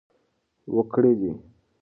و کړېدی .